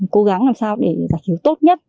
cố gắng làm sao để giải cứu tốt nhất